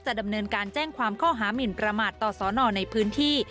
ดำเนินการแจ้งความข้อหามินประมาทต่อสอนอในพื้นที่